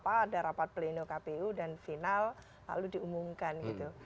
ada rapat pleno kpu dan final lalu diumumkan gitu